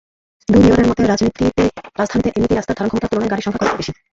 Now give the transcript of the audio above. দুই মেয়রের মতে, রাজধানীতে এমনিতেই রাস্তার ধারণক্ষমতার তুলনায় গাড়ির সংখ্যা কয়েক গুণ বেশি।